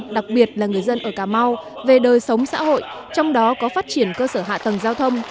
đặc biệt là người dân ở cà mau về đời sống xã hội trong đó có phát triển cơ sở hạ tầng giao thông